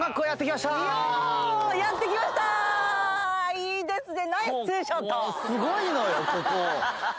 いいですね。